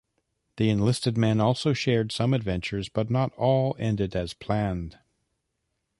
The enlisted men also shared some adventures but not all ended as planned.